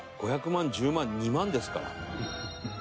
５００万１０万２万ですから。